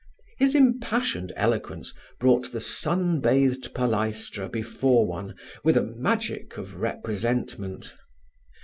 His impassioned eloquence brought the sun bathed palæstra before one with a magic of representment.